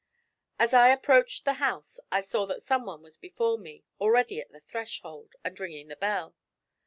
As I approached the house I saw that someone was before me, already at the threshold, and ringing the bell.